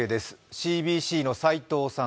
ＣＢＣの斉藤さん